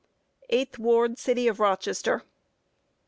Eighth ward, city of Rochester.